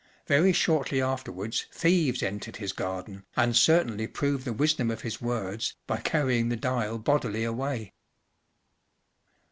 }; very shortly afterwards thieves entered his garden, and certainly proved the wisdom of his words by carrying the dial bodily away.